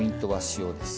塩。